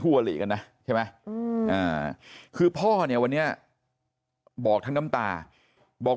อลีกันนะใช่ไหมคือพ่อเนี่ยวันนี้บอกทั้งน้ำตาบอก